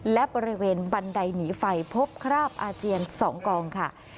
และบริเวณบันไดหนีไฟพบคราบอาเจียน๒กองค่ะ